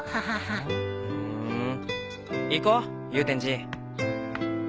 ふん行こう祐天寺。